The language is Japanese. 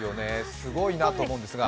すごいなと思います。